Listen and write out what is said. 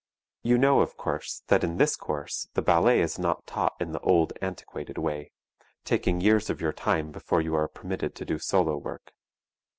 You know, of course, that in this course the ballet is not taught in the old, antiquated way, taking years of your time before you are permitted to do solo work.